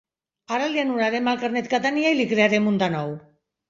Ara li anul·larem el carnet que tenia i li crearem un nou.